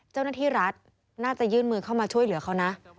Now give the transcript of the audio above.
เจ้าหน้าที่รัฐน่าจะยื่นมือเข้ามาช่วยเหลือเขานะ